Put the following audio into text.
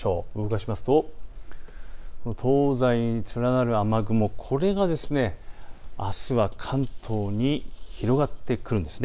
動かしますと、東西に連なる雨雲、これがあすは関東に広がってくるんです。